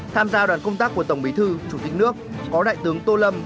tham gia đoàn công tác của tổng bí thư chủ tịch nước có đại tướng tô lâm